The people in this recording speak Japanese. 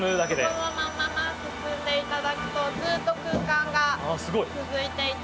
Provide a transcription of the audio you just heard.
このまま進んで頂くとずっと空間が続いていて。